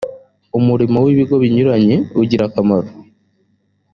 umurimo wibigo binyuranye ugira akamaro.